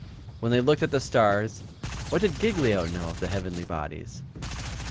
When they looked at the stars, what did Giglio know of the heavenly bodies?